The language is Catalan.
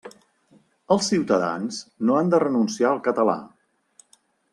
Els ciutadans no han de renunciar al català.